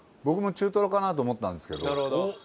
僕も中トロかなと思ったんですけど。